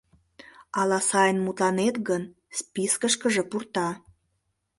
Ала, сайын мутланет гын, спискышкыже пурта.